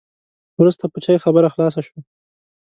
وروسته په چای خبره خلاصه شوه.